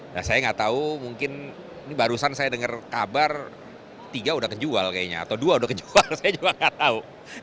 nah saya nggak tahu mungkin ini barusan saya dengar kabar tiga udah kejual kayaknya atau dua udah kejual saya juga nggak tahu